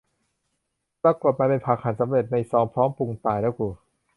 ปรากฏมันเป็นผักหั่นสำเร็จในซองพร้อมปรุง ตายแล้วกู